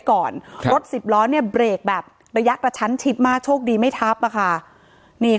ก็คือแทนมาเรากำลังข้มขายร้อยด้วยกลับมางึกนี่